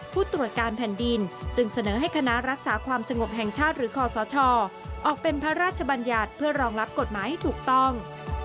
ผู้ตรวจการแผ่นดินจึงเสนอให้คณะรักษาความสงบแห่งชาติหรือคอสชออกเป็นพระราชบัญญัติเพื่อรองรับกฎหมายให้ถูกต้อง